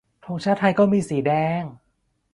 ธงชาติไทยก็มีสีแดง